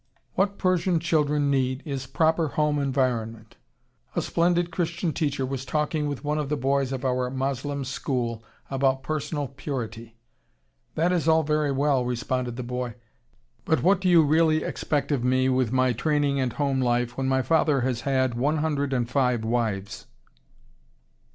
"What Persian children need is proper home environment." A splendid Christian teacher was talking with one of the boys of our Moslem school about personal purity. "That is all very well," responded the boy, "but what do you really expect of me with my training and home life when my father has had one hundred and five wives?"